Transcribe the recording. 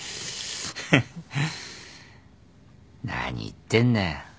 何言ってんだよ。